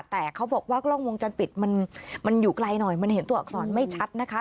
แต่เขาบอกว่ากล้องวงจรปิดมันอยู่ไกลหน่อยมันเห็นตัวอักษรไม่ชัดนะคะ